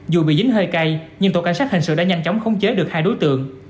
dù bị dính hơi cay nhưng tổ cảnh sát hình sự đã nhanh chóng khống chế được hai đối tượng